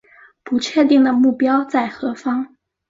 不确定的目标在何方